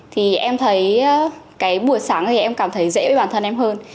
thì em thấy cái buổi sáng thì em cảm thấy dễ với bản thân em hơn